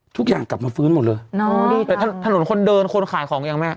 ทุกอย่างกลับมาฟื้นหมดเลยน่าทะทะถนนคนเดินคนขายของยังไง